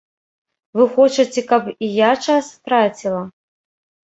Вы хочаце, каб і я час траціла?